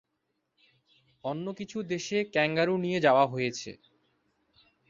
অন্য কিছু দেশে ক্যাঙ্গারু নিয়ে যাওয়া হয়েছে।